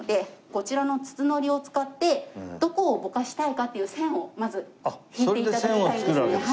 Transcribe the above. こちらの筒糊を使ってどこをぼかしたいかっていう線をまず引いて頂きたいんですね。